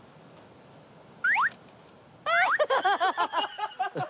ハハハハ！